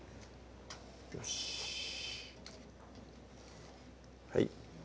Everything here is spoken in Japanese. よしはい